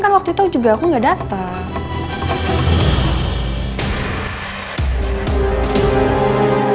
kan waktu itu aku juga gak dateng